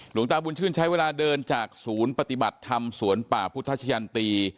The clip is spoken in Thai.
หลวงตาบุญชื่นใช้เวลาเดินจากศูนย์ปฏิบัติธรรมสวนป่าพุทธชะยันตี